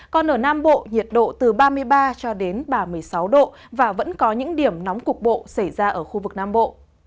còn ở nam bộ nhiệt độ từ ba mươi ba cho đến ba mươi sáu độ và vẫn có những điểm nóng cục bộ xảy ra ở khu vực nam bộ